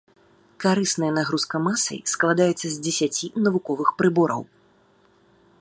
Карысная нагрузка масай складаецца з дзесяці навуковых прыбораў.